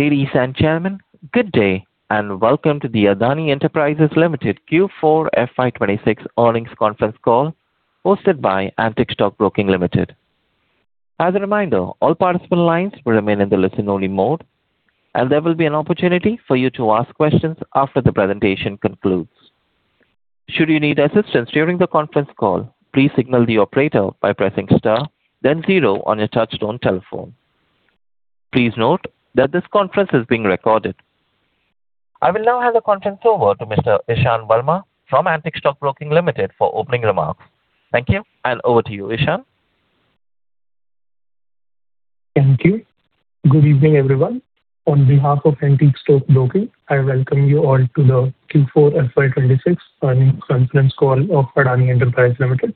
Ladies and gentlemen, good day, and welcome to the Adani Enterprises Limited Q4 FY 2026 earnings conference call hosted by Antique Stock Broking Limited. As a reminder, all participant lines will remain in the listen-only mode, and there will be an opportunity for you to ask questions after the presentation concludes. Should you need assistance during the conference call, please signal the operator by pressing star then zero on your touchtone telephone. Please note that this conference is being recorded. I will now hand the conference over to Mr. Ishan Verma from Antique Stock Broking Limited for opening remarks. Thank you, and over to you, Ishan. Thank you. Good evening, everyone. On behalf of Antique Stock Broking, I welcome you all to the Q4 FY 2026 earnings conference call of Adani Enterprises Limited.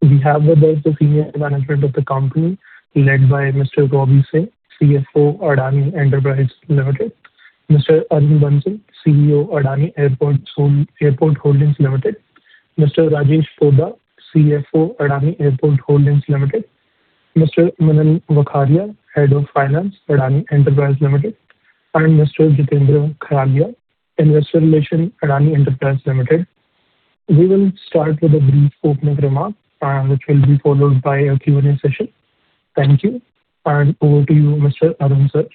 We have with us the senior management of the company led by Mr. Robbie Singh, CFO, Adani Enterprises Limited; Mr. Arun Bansal, CEO, Adani Airport Holdings Limited; Mr. Rajesh Kumar Poddar, CFO, Adani Airport Holdings Limited; Mr. Manan Vakharia, Head of Finance, Adani Enterprises Limited; and Mr. Jitendra Khyalia, Investor Relations, Adani Enterprises Limited. We will start with a brief opening remark, which will be followed by a Q&A session. Thank you, and over to you, Mr. Arun sir.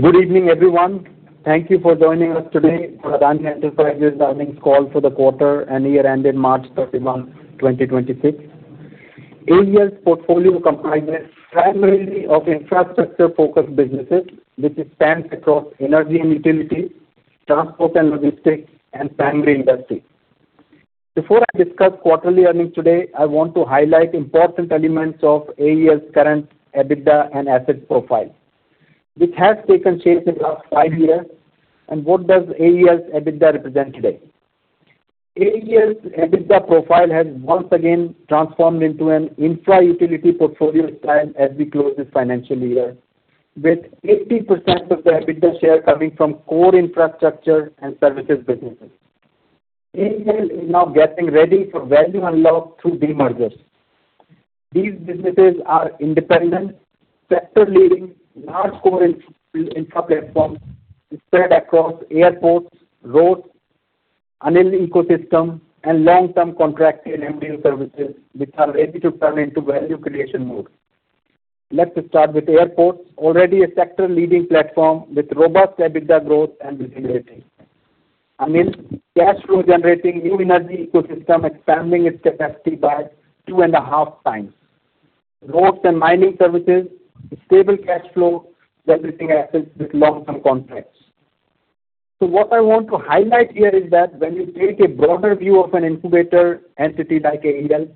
Good evening, everyone. Thank you for joining us today for Adani Enterprises earnings call for the quarter and year ending March 31, 2026. AEL's portfolio comprises primarily of infrastructure-focused businesses which spans across energy and utility, transport and logistics, and primary industry. Before I discuss quarterly earnings today, I want to highlight important elements of AEL's current EBITDA and asset profile, which has taken shape in the last five years and what does AEL's EBITDA represent today. AEL's EBITDA profile has once again transformed into an infra utility portfolio style as we close this financial year, with 80% of the EBITDA share coming from core infrastructure and services businesses. AEL is now getting ready for value unlock through demergers. These businesses are independent, sector-leading, large core infra platforms spread across airports, roads, ANIL ecosystem, and long-term contracted MDO services which are ready to turn into value creation mode. Let's start with airports. Already a sector-leading platform with robust EBITDA growth and visibility. ANIL, cash flow generating Adani New Industries ecosystem expanding its capacity by 2.5x. Roads and mining services, stable cash flow leveraging assets with long-term contracts. What I want to highlight here is that when you take a broader view of an incubator entity like AEL,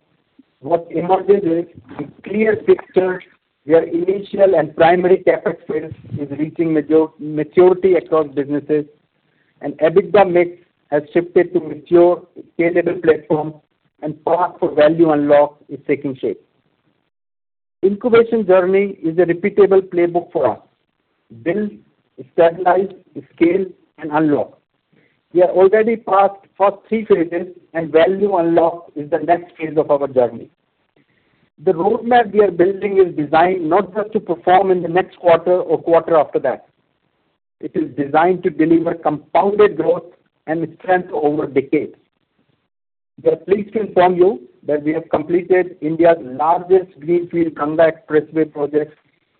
what emerges is a clear picture where initial and primary capital spend is reaching maturity across businesses and EBITDA mix has shifted to mature scalable platform and path for value unlock is taking shape. Incubation journey is a repeatable playbook for us. Build, stabilize, scale, and unlock. We are already past first three phases and value unlock is the next phase of our journey. The roadmap we are building is designed not just to perform in the next quarter or quarter after that. It is designed to deliver compounded growth and strength over decades. We are pleased to inform you that we have completed India's largest greenfield Mumbai expressway project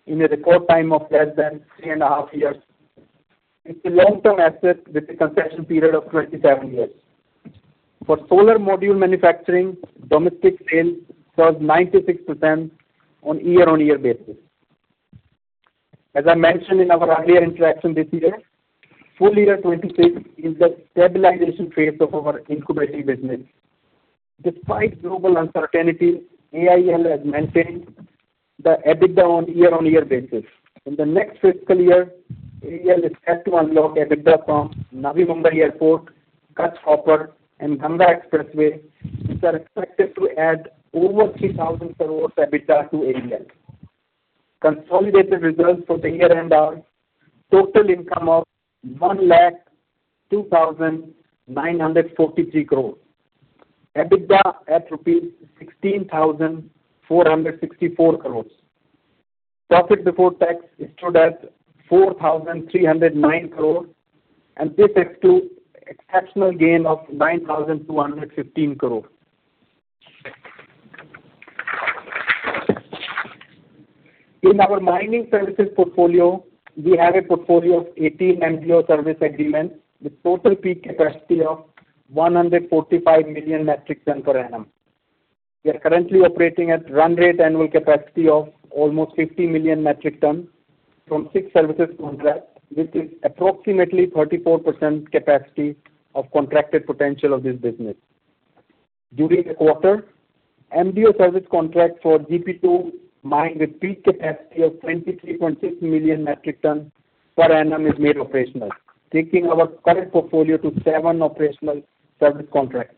in a record time of less than three and a half years. It's a long-term asset with a concession period of 27 years. For solar module manufacturing, domestic sales was 96% on year-on-year basis. As I mentioned in our earlier interaction this year, full year 2026 is the stabilization phase of our incubating business. Despite global uncertainty, AEL has maintained the EBITDA on year-on-year basis. In the next fiscal year, AEL is set to unlock EBITDA from Navi Mumbai Airport, Kutch Copper and Ganga Expressway, which are expected to add over 3,000 crores EBITDA to AEL. Consolidated results for the year end are total income of 102,943 crores. EBITDA at rupees 16,464 crores. Profit before tax stood at 4,309 crores and this exclude exceptional gain of 9,215 crore. In our mining services portfolio, we have a portfolio of 18 MDO service agreements with total peak capacity of 145 million metric ton per annum. We are currently operating at run rate annual capacity of almost 50 million metric ton from six services contracts, which is approximately 34% capacity of contracted potential of this business. During the quarter, MDO service contract for GP2 mine with peak capacity of 23.6 million metric ton per annum is made operational, taking our current portfolio to seven operational service contracts.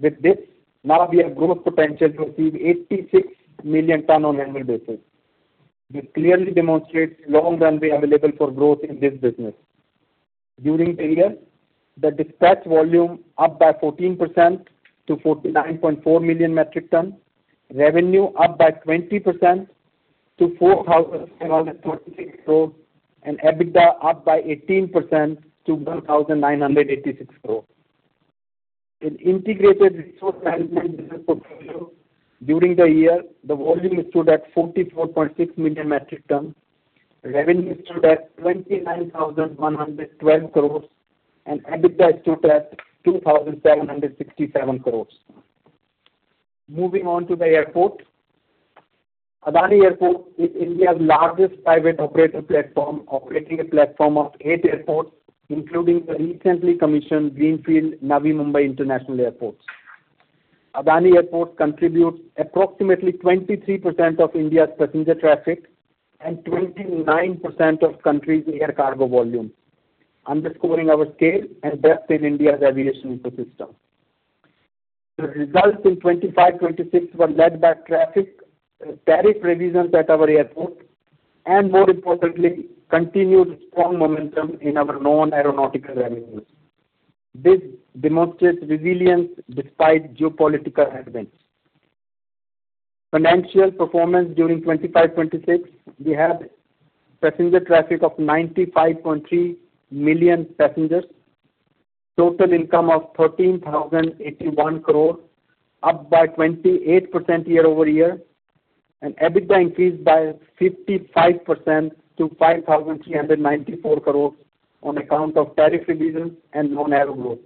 With this, now we have growth potential to achieve 86 million ton on annual basis. This clearly demonstrates long runway available for growth in this business. During the year, the dispatch volume up by 14% to 49.4 million metric tons. Revenue up by 20% to 4,746 crore. EBITDA up by 18% to 1,986 crore. In integrated resource management business portfolio, during the year, the volume stood at 44.6 million metric tons. Revenue stood at 29,112 crore, and EBITDA stood at 2,767 crore. Moving on to the airport. Adani Airport is India's largest private operator platform, operating a platform of eight airports, including the recently commissioned greenfield Navi Mumbai International Airport. Adani Airport contributes approximately 23% of India's passenger traffic and 29% of country's air cargo volume, underscoring our scale and depth in India's aviation ecosystem. The results in 2025, 2026 were led by traffic, tariff revisions at our airport. More importantly, continued strong momentum in our non-aeronautical revenues. This demonstrates resilience despite geopolitical headwinds. Financial performance during 2025, 2026, we had passenger traffic of 95.3 million passengers. Total income of 13,081 crore, up by 28% year-over-year. EBITDA increased by 55% to 5,394 crore on account of tariff revisions and non-aero growth.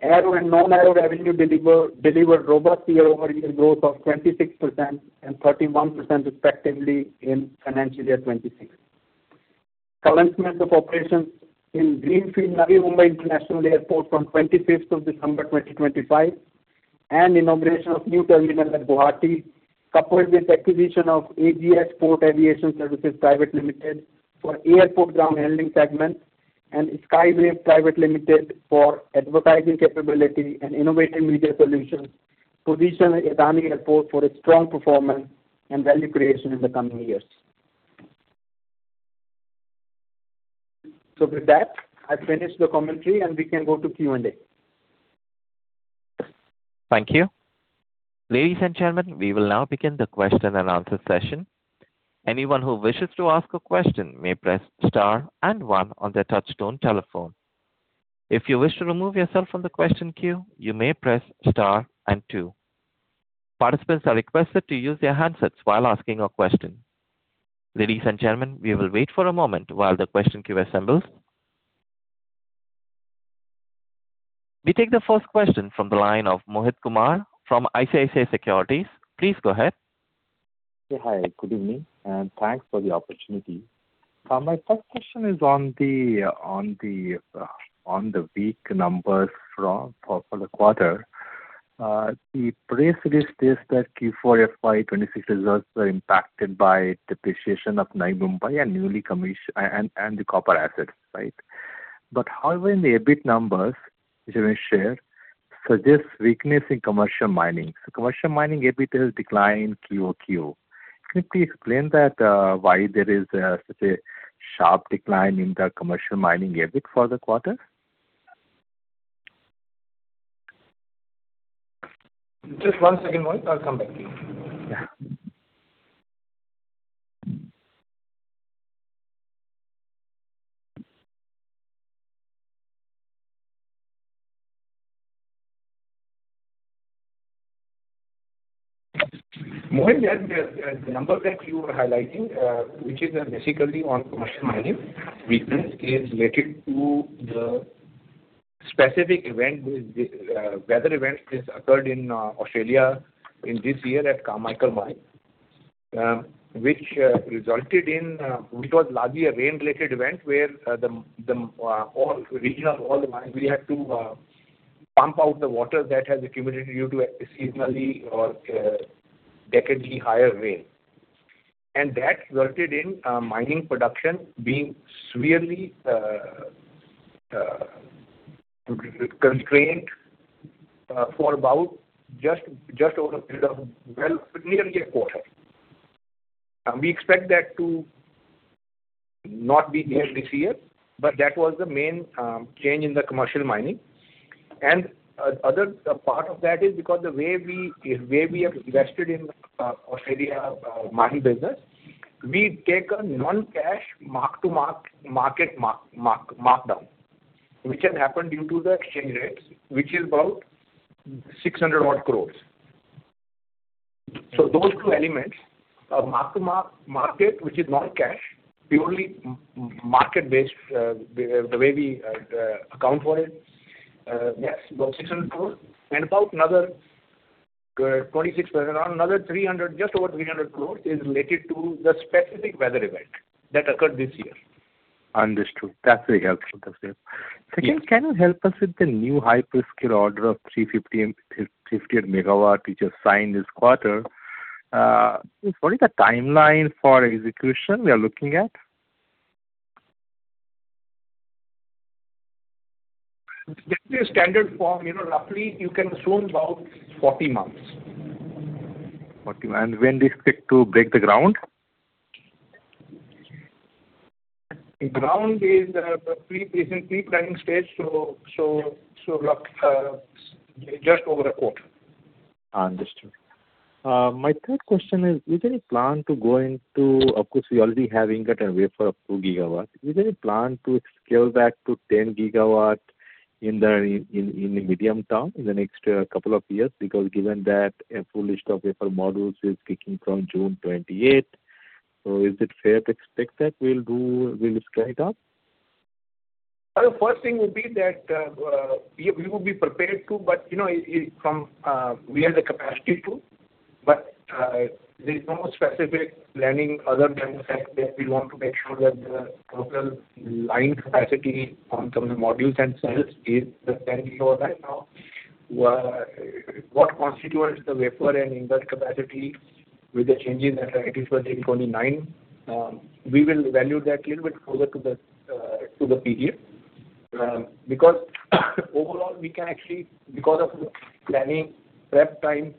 Aero and non-aero revenue delivered robust year-over-year growth of 26% and 31% respectively in financial year 2026. Commencement of operations in greenfield Navi Mumbai International Airport on 25th of December 2025 and inauguration of new terminal at Guwahati, coupled with acquisition of AVS Port Aviation Services Private Limited for airport ground handling segment and Skyways Private Limited for advertising capability and innovative media solutions, position Adani Airport for a strong performance and value creation in the coming years. With that, I finish the commentary, and we can go to Q&A. Thank you. Ladies and gentlemen, we will now begin the question and answer session. Anyone who wishes to ask a question may press star and one on their touchtone telephone. If you wish to remove yourself from the question queue, you may press star and two. Participants are requested to use their handsets while asking a question. Ladies and gentlemen, we will wait for a moment while the question queue assembles. We take the first question from the line of Mohit Kumar from ICICI Securities. Please go ahead. Hi, good evening, and thanks for the opportunity. My first question is on the weak numbers for the quarter. The press release states that Q4 FY 2026 results were impacted by depreciation of Navi Mumbai and newly commissioned and the copper assets, right? However, in the EBIT numbers, which you may share, suggest weakness in commercial mining. Commercial mining EBIT has declined QOQ. Can you please explain that why there is such a sharp decline in the commercial mining EBIT for the quarter? Just one second, Mohit. I'll come back to you. Yeah. Mohit, the number that you were highlighting, which is basically on commercial mining weakness is related to the specific event which weather event is occurred in Australia in this year at Carmichael Mine, which was largely a rain-related event where the all regions, all the mines, we had to pump out the water that has accumulated due to a seasonally or decadely higher rain. That resulted in mining production being severely constrained for about just over a period of, well, nearly a quarter. We expect that to not be there this year, but that was the main change in the commercial mining. Other part of that is because the way we have invested in, Australia, mining business, we take a non-cash mark to market markdown, which has happened due to the exchange rates, which is about 600 odd crores. So those two elements are mark to market, which is non-cash, purely market-based, the way we account for it. Yes, about 600 crore and about another, 26% or another 300, just over 300 crores is related to the specific weather event that occurred this year. Understood. That's very helpful. That's it. Yes. Second, can you help us with the new hyperscale order of 350 MW and 58 MW you just signed this quarter? What is the timeline for execution we are looking at? That is a standard form. You know, roughly you can assume about 40 months. 40. When they expect to break the ground? Ground is in pre-planning stage, so rough, just over a quarter. Understood. My third question is. Of course, we already have Ingot and Wafer of 2 GW. Is there a plan to scale back to 10 GW in the medium term, in the next couple of years? Given that a full list of wafer modules is kicking from June 28, is it fair to expect that we'll scale it up? The first thing would be that we would be prepared to. We have the capacity to, but there is no specific planning other than the fact that we want to make sure that the total line capacity on terms of modules and cells is the 10 GW right now. What constitutes the wafer and ingot capacity with the changes that are effective from 29, we will value that little bit closer to the period. Overall we can actually, because of the planning prep time,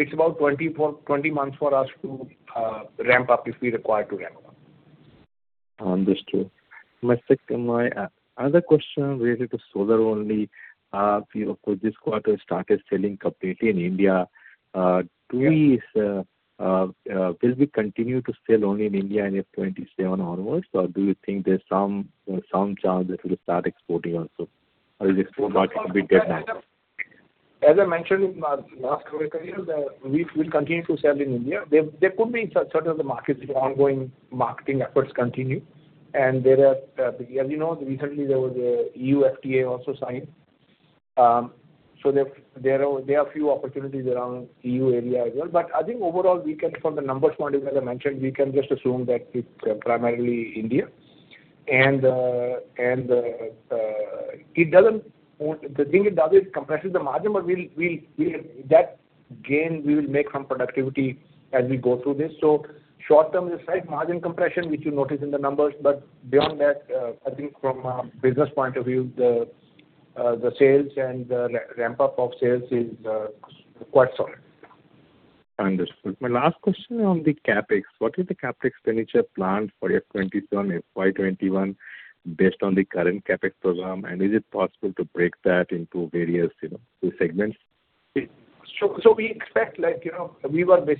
it's about 20 months for us to ramp up if we require to ramp up. Understood. My other question related to solar only. For you, of course, this quarter started selling completely in India. Yeah. Do we, will we continue to sell only in India in FY 2027 onwards, or do you think there's some chance that we'll start exporting also? Or is export market will be dead now? As I mentioned in my last quarter, sir, we'll continue to sell in India. There could be certain other markets if our ongoing marketing efforts continue. There are, as you know, recently there was a EU FTA also signed. There are few opportunities around EU area as well. I think overall we can, from the numbers point, as I mentioned, we can just assume that it's primarily India. The thing it does is compresses the margin, but we'll That gain we will make from productivity as we go through this. Short term is slight margin compression, which you notice in the numbers. Beyond that, I think from a business point of view, the sales and the ramp-up of sales is quite solid. Understood. My last question on the CapEx. What is the CapEx expenditure plan for FY 2027, FY 2021 based on the current CapEx program, and is it possible to break that into various, you know, two segments? We expect like, you know, we have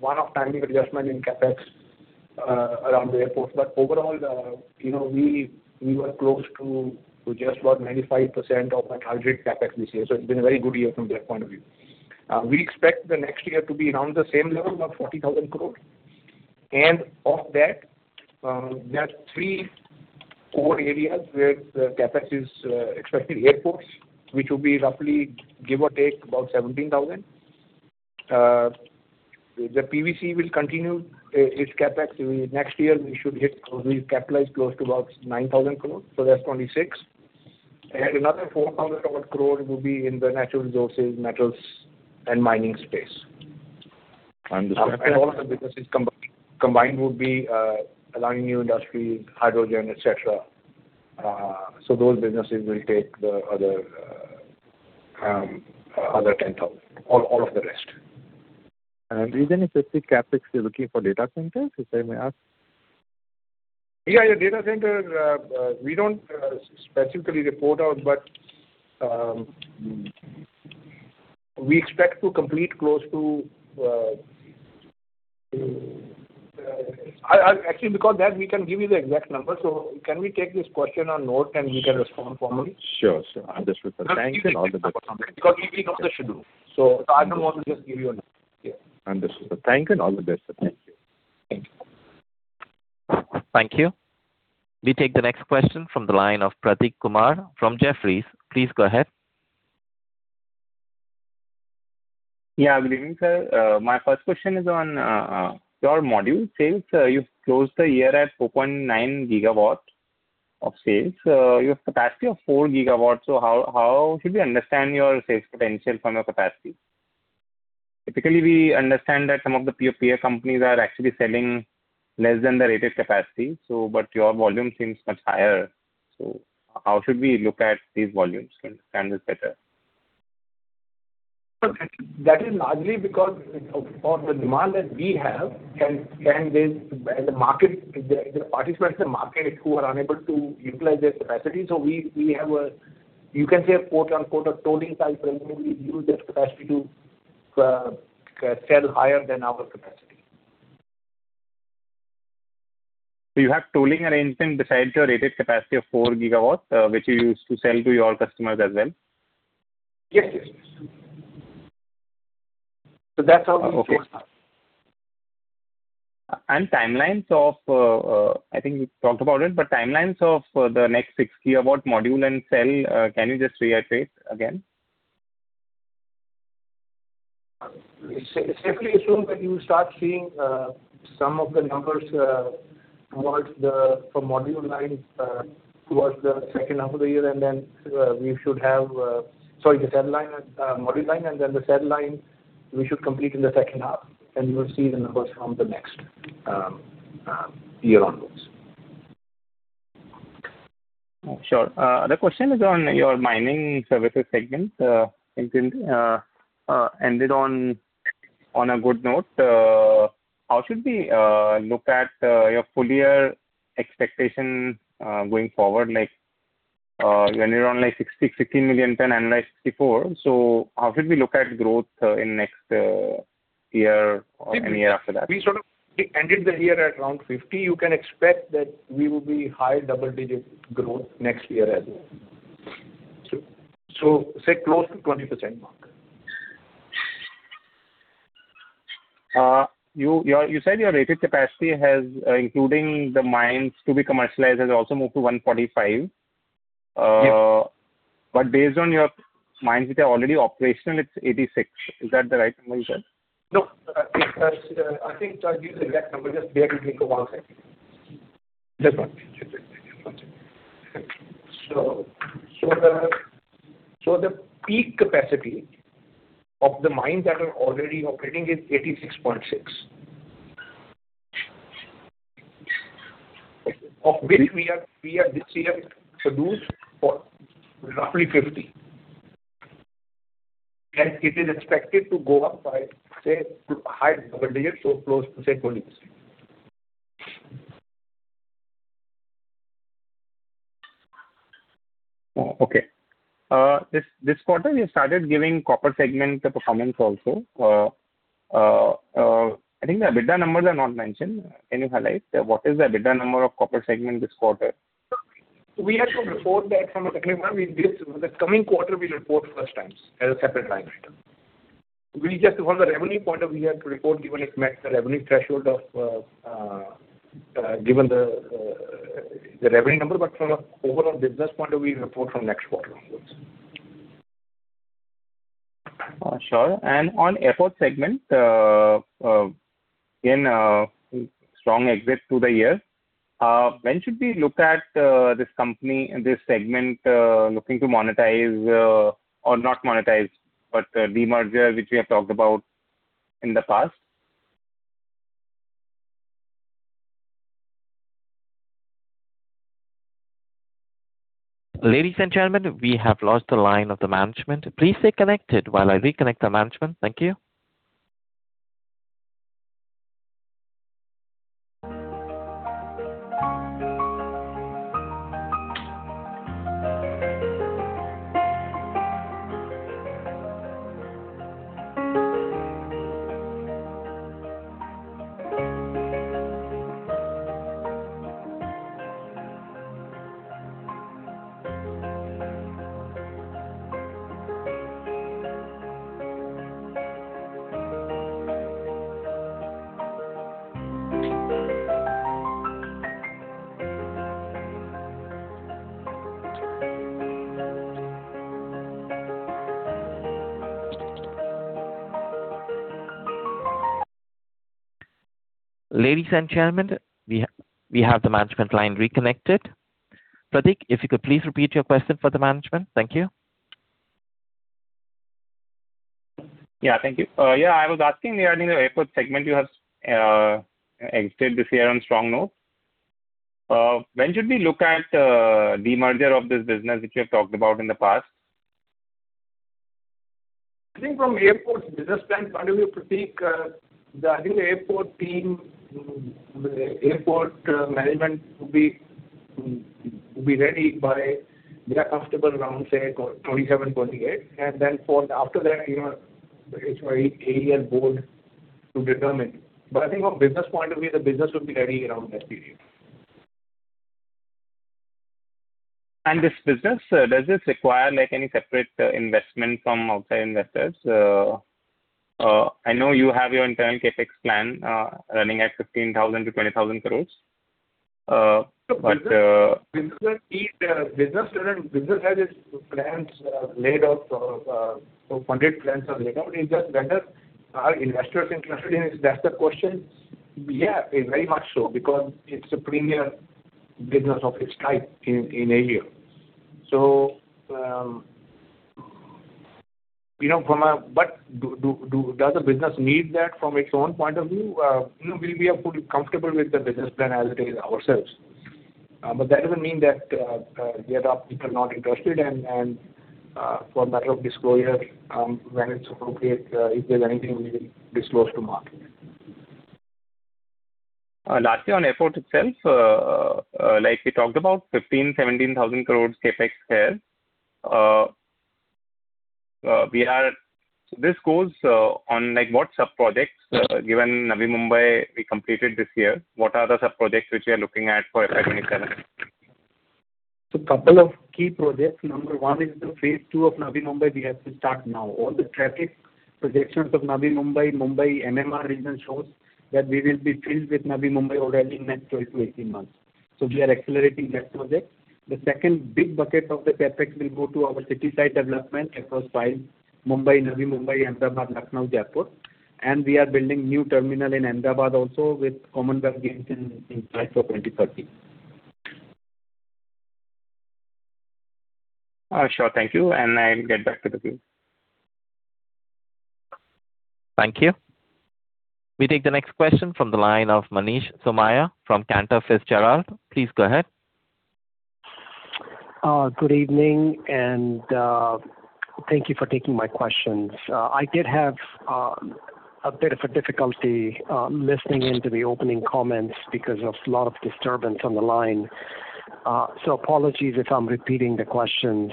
one-off timing adjustment in CapEx, you know, around the Airports. Overall, you know, we were close to just about 95% of our targeted CapEx this year. It's been a very good year from that point of view. We expect the next year to be around the same level, about 40,000 crore. Of that, there are three core areas where the CapEx is expected. Airports, which will be roughly, give or take, about 17,000 crore. The PVC will continue its CapEx. Next year we should hit or we capitalize close to about 9,000 crore. That's 26,000 crore. Another 4,000 crore would be in the natural resources, metals and mining space. Understood. All of the businesses combined would be, Adani New Industries, hydrogen, et cetera. Those businesses will take the other 10,000. All of the rest. Is there any specific CapEx you're looking for data centers, if I may ask? Yeah, yeah, data center, we don't specifically report out, but we expect to complete close to. Actually because that we can give you the exact number. Can we take this question on note and we can respond formally? Sure. Understood, sir. Thank you and all the best. We know the schedule, so I don't want to just give you a number. Yeah. Understood, sir. Thank you and all the best, sir. Thank you. Thank you. Thank you. We take the next question from the line of Prateek Kumar from Jefferies. Please go ahead. Good evening, sir. My first question is on your module sales. You've closed the year at 4.9 GW of sales. You have capacity of 4 GW, how should we understand your sales potential from your capacity? Typically, we understand that some of the peer companies are actually selling less than the rated capacity, but your volume seems much higher. How should we look at these volumes to understand this better? That is largely because of the demand that we have. The market, the participants in the market who are unable to utilize their capacity. We have a, you can say a quote-unquote, a tooling type arrangement. We use their capacity to sell higher than our capacity. You have tooling arrangement besides your rated capacity of 4 GW, which you use to sell to your customers as well? Yes. Yes. Yes. That's how we source. Okay. Timelines of, I think you talked about it, but timelines of the next 60 GW module and cell, can you just reiterate again? Safely assume that you start seeing some of the numbers towards the for module lines towards the second half of the year and then Sorry, the cell line, module line and then the cell line. We should complete in the second half. We will see the numbers from the next year onwards. Sure. The question is on your mining services segment. I think ended on a good note. How should we look at your full year expectation going forward? Like, when you're on, like, 60 million tons-50 million tons annualized before. How should we look at growth in next year or any year after that? We sort of ended the year at around 50. You can expect that we will be high double-digit growth next year as well. Say close to 20% mark. You said your rated capacity has, including the mines to be commercialized, has also moved to 145. Yes. Based on your mines which are already operational, it's 86. Is that the right number you said? No. It has, I think I gave you the exact number. Just bear with me for one second. Just one second. So the peak capacity of the mines that are already operating is 86.6. Of which we have this year produced for roughly 50. It is expected to go up by, say, high double digits, so close to, say, 20%. Okay. This quarter you started giving copper segment performance also. I think the EBITDA numbers are not mentioned in your highlights. What is the EBITDA number of copper segment this quarter? We had to report that from a technical view. This coming quarter we report first time as a separate line item. From the revenue point of view, we have to report given it met the revenue threshold given the revenue number. From an overall business point of view, we report from next quarter onwards. Sure. On Airport segment, in a strong exit to the year, when should we look at this company, this segment, looking to monetize, or not monetize, but the demerger which we have talked about in the past? Ladies and gentlemen, we have lost the line of the management. Please stay connected while I reconnect the management. Thank you. Ladies and gentlemen, we have the management line reconnected. Prateek, if you could please repeat your question for the management. Thank you. Yeah, thank you. Yeah, I was asking regarding the Airports segment you have exited this year on strong note. When should we look at demerger of this business which you have talked about in the past? I think from airport business plan point of view, Prateek, I think the airport team, the airport management will be ready by. They are comfortable around, say, 2027, 2028. Then for after that, you know, it's for AEL board to determine. I think from business point of view, the business will be ready around that period. This business, does this require like any separate investment from outside investors? I know you have your internal CapEx plan, running at 15,000 crore-20,000 crore. Business has its plans laid out or funded plans are laid out. Is that better? Are investors interested in it? That's the question. Very much so, because it's a premier business of its type in Asia. Does the business need that from its own point of view? No, we are fully comfortable with the business plan as it is ourselves. That doesn't mean that there are people not interested. For the sake of disclosure, when it's appropriate, if there's anything, we will disclose to market. Lastly on airport itself, like we talked about 15,000 crores, 17,000 crores CapEx here. This goes on like what sub-projects? Given Navi Mumbai we completed this year, what are the sub-projects which we are looking at for FY 2027? Couple of key projects. Number one is the phase 2 of Navi Mumbai we have to start now. All the traffic projections of Navi Mumbai, MMR region shows that we will be filled with Navi Mumbai already in next 12-18 months. We are accelerating that project. The second big bucket of the CapEx will go to our city side development across five Mumbai, Navi Mumbai, Ahmedabad, Lucknow, Jaipur. We are building new terminal in Ahmedabad also with Commonwealth Games in sight for 2030. Sure. Thank you. I'll get back to the queue. Thank you. We take the next question from the line of Manish Somaiya from Cantor Fitzgerald. Please go ahead. Good evening, thank you for taking my questions. I did have a bit of a difficulty listening in to the opening comments because of a lot of disturbance on the line. Apologies if I'm repeating the questions.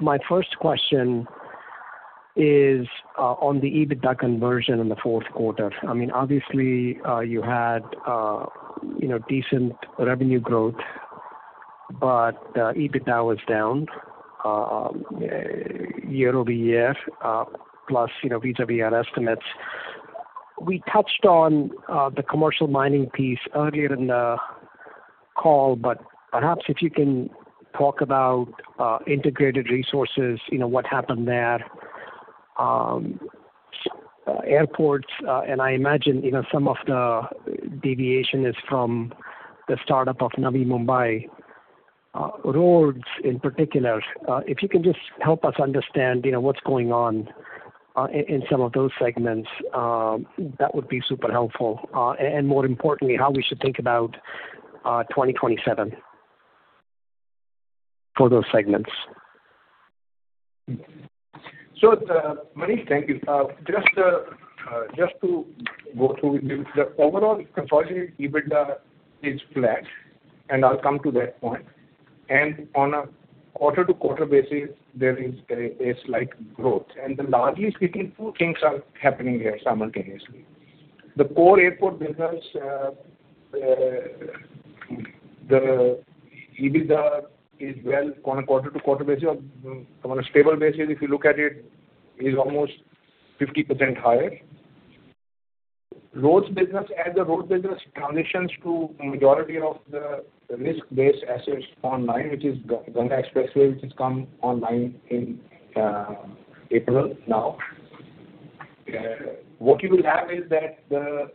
My first question is on the EBITDA conversion in the fourth quarter. I mean, obviously, you had, you know, decent revenue growth, EBITDA was down year-over-year, plus, you know, vis-a-vis our estimates. We touched on the commercial mining piece earlier in the call, perhaps if you can talk about integrated resources, you know, what happened there. Airports, I imagine, you know, some of the deviation is from the startup of Navi Mumbai. Roads in particular. If you can just help us understand, you know, what's going on, in some of those segments, that would be super helpful. More importantly, how we should think about 2027 for those segments. Manish, thank you. Just to go through with you. The overall consolidated EBITDA is flat, and I'll come to that point. On a quarter-to-quarter basis, there is a slight growth. Largely speaking, two things are happening here simultaneously. The core airport business, the EBITDA is well on a quarter-to-quarter basis. On a stable basis, if you look at it, is almost 50% higher. Roads business. As the road business transitions to majority of the risk-based assets online, which is Ganga Expressway, which has come online in April now. What you will have is that the,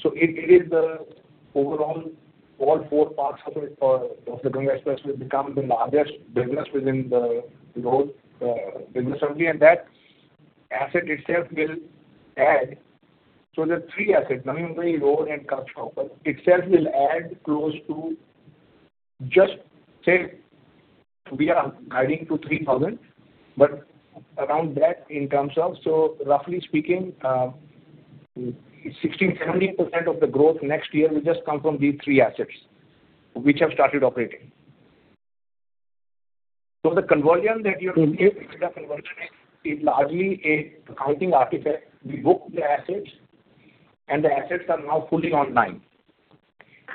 so it is the overall all four parts of it of the Ganga Expressway become the largest business within the road business only. That asset itself will add. The three assets, Navi Mumbai road and Kutch Copper itself will add close to just say we are guiding to 3,000, but around that in terms of. Roughly speaking, 16%-17% of the growth next year will just come from these three assets which have started operating. The conversion that you're seeing, EBITDA conversion is largely a accounting artifact. We book the assets, and the assets are now fully online.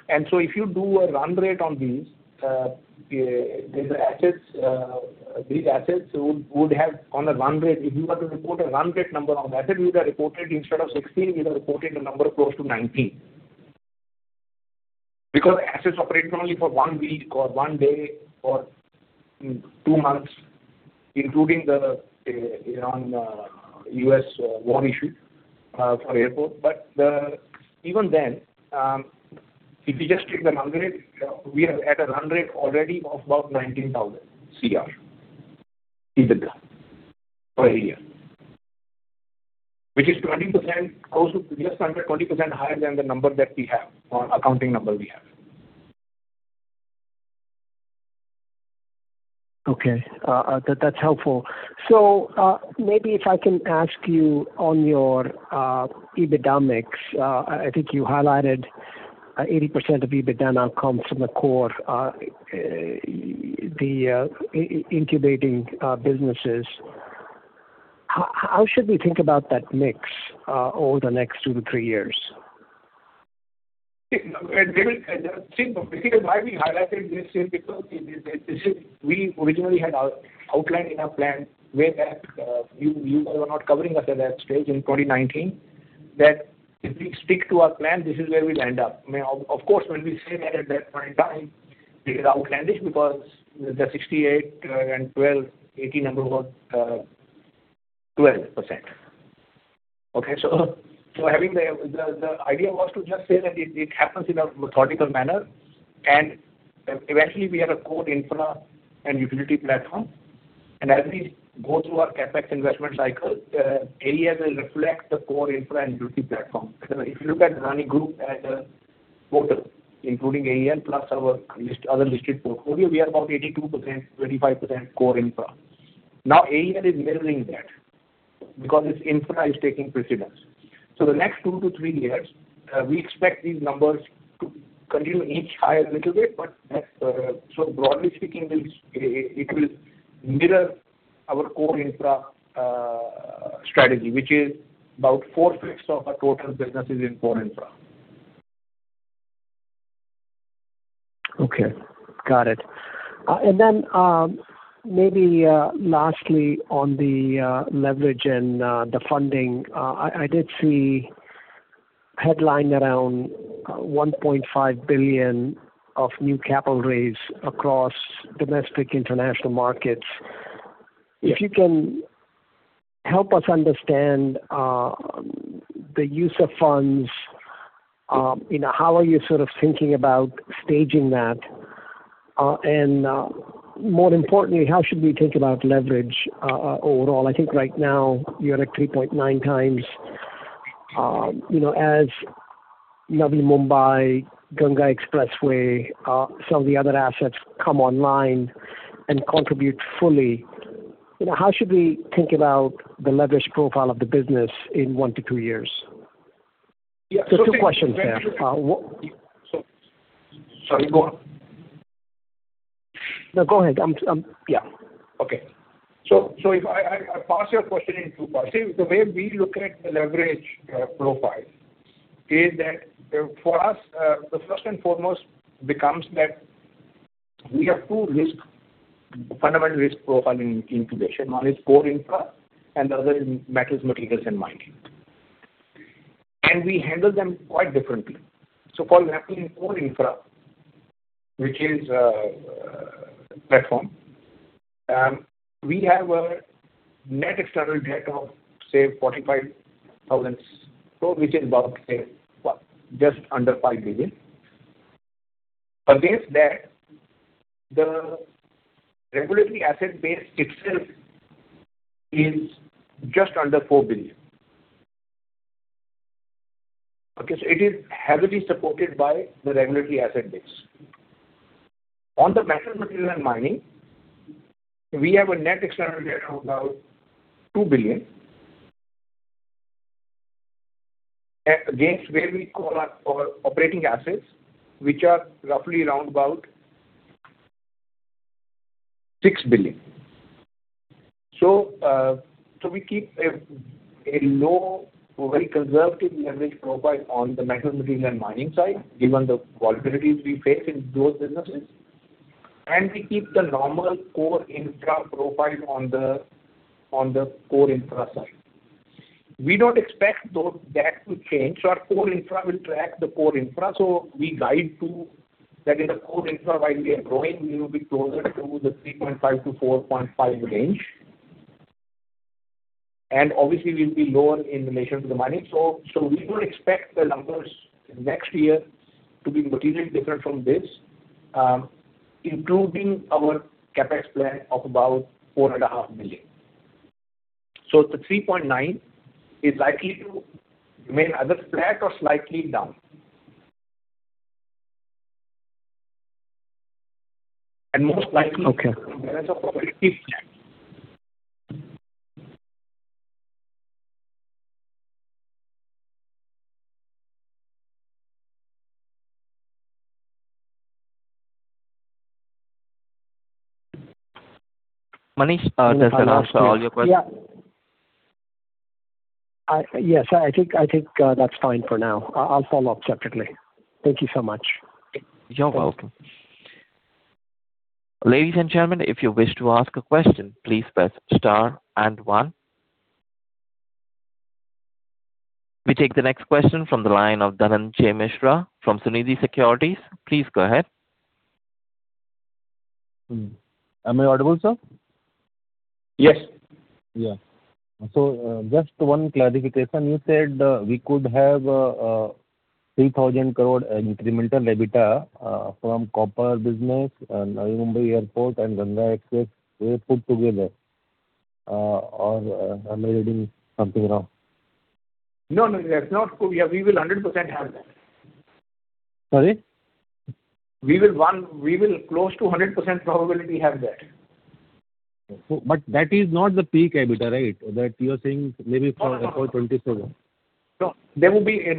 If you do a run rate on these assets, these assets would have on a run rate. If you were to report a run rate number on asset, we would have reported instead of 16, we would have reported a number close to 19. Assets operate only for one week or one day or two months, including the Iran, U.S. war issue for airport. Even then, if you just take the run rate, we are at a run rate already of about 19,000 crore EBITDA per year. Which is 20% close to just under 20% higher than the number that we have or accounting number we have. Okay. That's helpful. Maybe if I can ask you on your EBITDA mix. I think you highlighted 80% of EBITDA now comes from the core, the incubating businesses. How should we think about that mix over the next two to three years? The reason why we highlighted this is because this is we originally had outlined in our plan way back, you were not covering us at that stage in 2019. That if we stick to our plan, this is where we'll end up. I mean, of course, when we say that at that point in time, it is outlandish because the 68 and 12, 18 number was 12%. Okay. Having the, the idea was to just say that it happens in a methodical manner. Eventually we have a core infra and utility platform. As we go through our CapEx investment cycle, AEL will reflect the core infra and utility platform. If you look at Adani Group as a total, including AEL plus our other listed portfolio, we are about 82%, 25% core infra. Now AEL is mirroring that because its infra is taking precedence. The next two to three years, we expect these numbers to continue each higher a little bit. That's, so broadly speaking, this, it will mirror our core infra strategy, which is about four-fifths of our total business is in core infra. Okay. Got it. Lastly on the leverage and the funding. I did see headline around $1.5 billion of new capital raise across domestic international markets. If you can help us understand the use of funds, you know, how are you sort of thinking about staging that? More importantly, how should we think about leverage overall? I think right now you're at a 3.9x. You know, as Navi Mumbai, Ganga Expressway, some of the other assets come online and contribute fully, you know, how should we think about the leverage profile of the business in 1-2 years? Yeah. Two questions there. Sorry, go on. No, go ahead. Yeah. If I parse your question in two parts. The way we look at the leverage profile is that for us, the first and foremost becomes that we have two fundamental risk profile in incubation. One is core infra and the other is metals, materials and mining. We handle them quite differently. For example, in core infra, which is platform, we have a net external debt of $45,000, which is about just under $5 billion. Against that, the regulatory asset base itself is just under INR 4 billion. It is heavily supported by the regulatory asset base. On the metal, material and mining, we have a net external debt of about INR 2 billion. Against where we call our operating assets, which are roughly round about 6 billion. We keep a low, very conservative leverage profile on the metal, material and mining side, given the vulnerabilities we face in those businesses, and we keep the normal core infra profile on the core infra side. We don't expect that to change. Our core infra will track the core infra. We guide to that is the core infra, while we are growing, we will be closer to the 3.5-4.5 range. Obviously we'll be lower in relation to the mining. We don't expect the numbers next year to be materially different from this, including our CapEx plan of about $4.5 billion. The 3.9 is likely to remain either flat or slightly down. Okay. There is a probability it's flat. Manish, does that answer all your questions? Yeah. Yes, I think, that's fine for now. I'll follow up separately. Thank you so much. You're welcome. Ladies and gentlemen, if you wish to ask a question, please press star and one. We take the next question from the line of Dhananjay Mishra from Sunidhi Securities. Please go ahead. Am I audible, sir? Yes. Yeah. Just one clarification. You said, we could have 3,000 crore incremental EBITDA from copper business and Navi Mumbai Airport and Ganga Expressway put together. Am I reading something wrong? No, no. Yeah, we will 100% have that. Sorry? We will close to 100% probability have that. That is not the peak EBITDA, right? That you're saying maybe for FY 2027. No. As the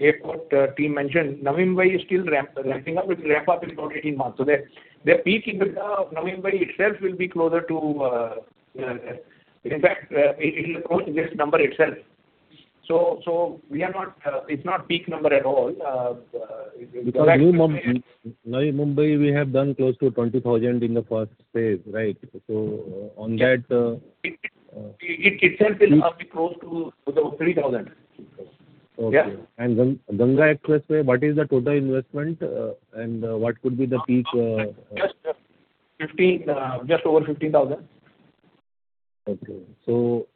airport team mentioned, Navi Mumbai is still ramping up. It will ramp up in about 18 months. The peak EBITDA of Navi Mumbai itself will be closer to, in fact, it will approach this number itself. We are not, it's not peak number at all. New Navi Mumbai we have done close to 20,000 in the phase 1, right? It itself will be close to 3,000. INR 3,000. Yeah. Okay. Ganga Expressway, what is the total investment, and what could be the peak? Just over 15 thousand. Okay.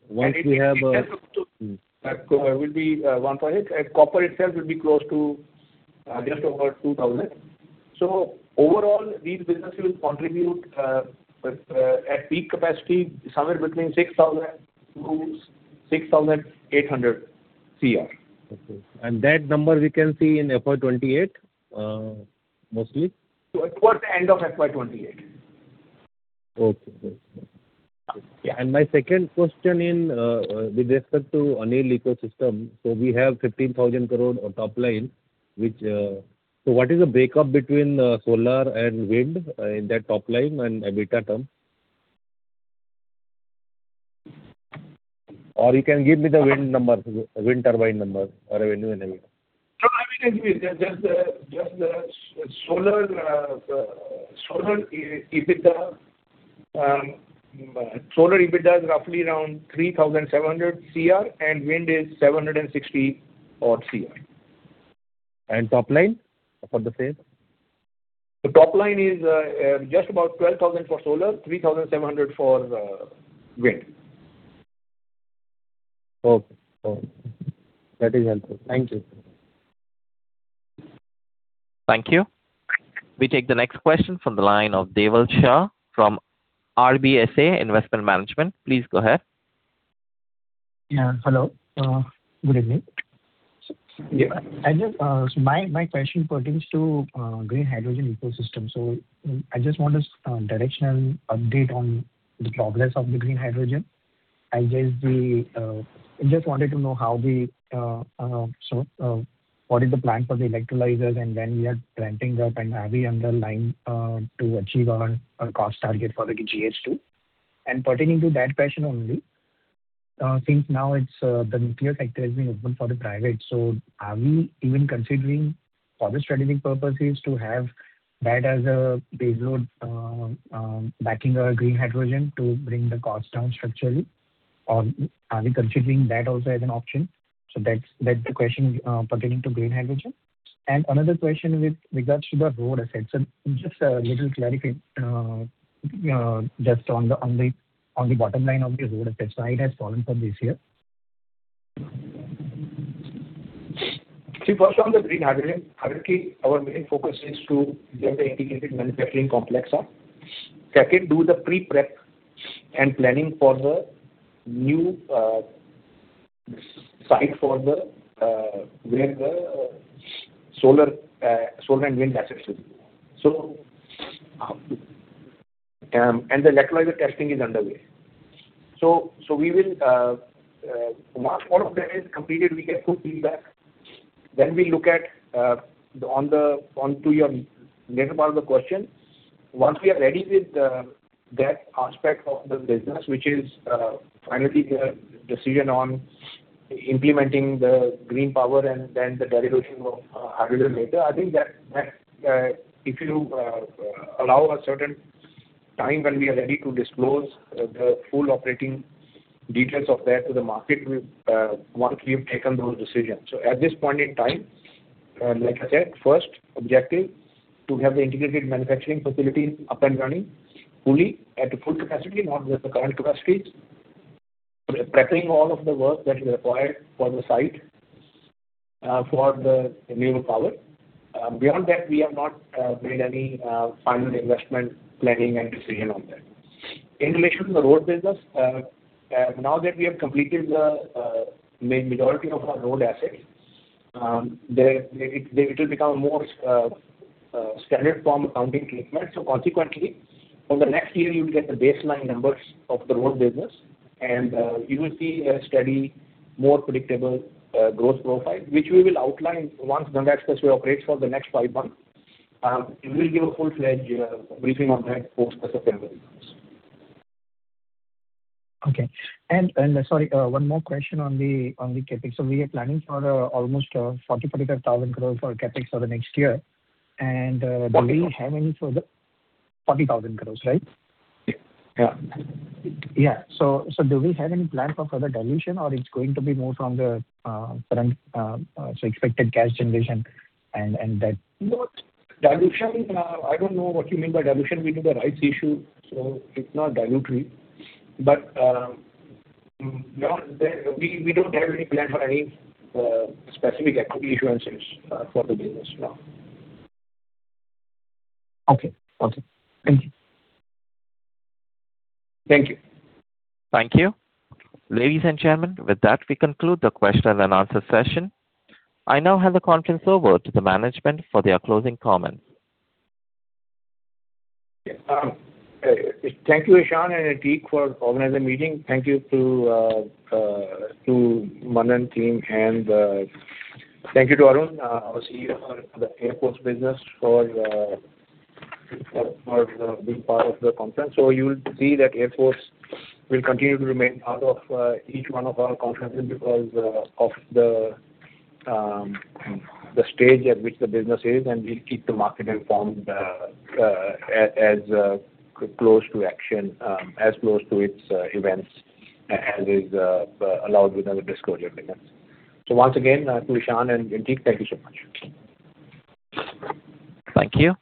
Once we have. It itself is close to will be 1,800 CR. Copper itself will be close to just over 2,000 CR. Overall, these businesses will contribute with at peak capacity, somewhere between 6,000 CR-INR 6,800 CR. Okay. That number we can see in FY 2028, mostly? Towards the end of FY 2028. Okay. Great. Yeah. My second question in with respect to Adani New Industries ecosystem. We have 15,000 crore on top line. What is the breakup between solar and wind in that top line and EBITDA term? You can give me the wind numbers, wind turbine numbers or revenue anyway. No, I will give you. Just the solar EBITDA is roughly around 3,700 crore. Wind is 760-odd crore. Top line for the same? The top line is, just about 12,000 for solar, 3,700 for wind. Okay. Oh, that is helpful. Thank you. Thank you. We take the next question from the line of Deval Shah from RBSA Investment Management. Please go ahead. Yeah, hello. Good evening. Yeah. My question pertains to green hydrogen ecosystem. I just want a directional update on the progress of the green hydrogen. I guess I just wanted to know what is the plan for the electrolyzers and when we are ramping up and are we on the line to achieve our cost target for the GH2. Pertaining to that question only, since now it's the nuclear sector has been open for the private, are we even considering for the strategic purposes to have that as a base load backing our green hydrogen to bring the cost down structurally or are we considering that also as an option? That's the question pertaining to green hydrogen. Another question with regards to the road assets and just a little clarify, just on the bottom line of the road assets, why it has fallen from this year? First on the green hydrogen, firstly, our main focus is to get the integrated manufacturing complex up. Second, do the pre-prep and planning for the new site for the where the solar and wind assets will be. The electrolyzer testing is underway. We will once all of that is completed, we get good feedback, then we look at on to your latter part of the question. Once we are ready with that aspect of the business, which is finally the decision on implementing the green power and then the derivation of hydrogen later, I think that if you allow a certain time when we are ready to disclose the full operating details of that to the market, we once we have taken those decisions. At this point in time, like I said, first objective to have the integrated manufacturing facility up and running fully at full capacity, not just the current capacities. We are prepping all of the work that is required for the site for the renewable power. Beyond that, we have not made any final investment planning and decision on that. In relation to the road business, now that we have completed the majority of our road assets, it will become more standard form accounting treatment. Consequently, from the next year you'll get the baseline numbers of the road business and you will see a steady, more predictable growth profile, which we will outline once Ganga Expressway operates for the next five months. We will give a full-fledged briefing on that post as a February. Okay. Sorry, one more question on the CapEx. We are planning for almost 45,000 crores for CapEx for the next year. Do we have any further? 40,000. 40,000 crores, right? Yeah. Do we have any plan for further dilution or it's going to be more from the current expected cash generation? No dilution, I don't know what you mean by dilution. We do the rights issue, so it's not dilutive. No, we don't have any plan for any specific equity issuances for the business now. Okay. Okay. Thank you. Thank you. Thank you. Ladies and gentlemen, with that, we conclude the question and answer session. I now hand the conference over to the management for their closing comments. Yeah. Thank you, Ishan and Antique for organizing the meeting. Thank you to Manan team and thank you to Arun, our CEO for the Airports business for being part of the conference. You will see that Airports will continue to remain part of each one of our conferences because of the stage at which the business is, and we'll keep the market informed as close to action, as close to its events as is allowed within the disclosure limits. Once again, to Ishan and Antique, thank you so much. Thank you.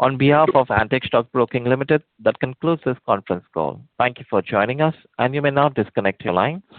On behalf of Antique Stock Broking Limited, that concludes this conference call. Thank you for joining us, and you may now disconnect your line.